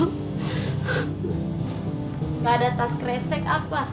tidak ada tas kresek apa